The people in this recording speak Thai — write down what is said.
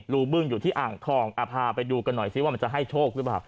ูบึ้งอยู่ที่อ่างทองพาไปดูกันหน่อยสิว่ามันจะให้โชคหรือเปล่า